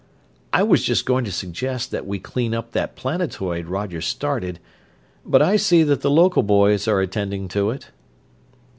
"I was just going to suggest that we clean up that planetoid Roger started, but I see that the local boys are attending to it."